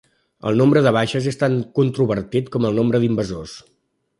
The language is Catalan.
El nombre de baixes és tan controvertit com el nombre d'invasors.